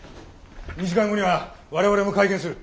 ２時間後には我々も会見する。